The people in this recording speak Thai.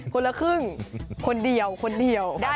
คนละครึ่งคนเดียวคนเดียว